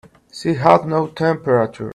She had no temperature.